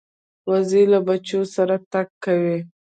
وزې له بچو سره تګ کوي